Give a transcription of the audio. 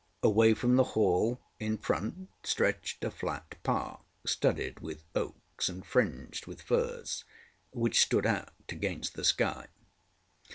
Away from the Hall in front stretched a flat park studded with oaks and fringed with firs, which stood out against the sky.